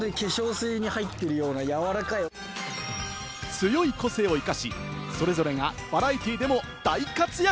強い個性を生かし、それぞれがバラエティーでも大活躍。